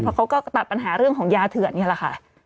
เพราะเขาก็ตัดปัญหาเรื่องของยาเถื่อนนี่แหละค่ะ